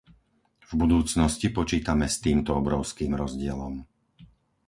V budúcnosti počítame s týmto obrovským rozdielom.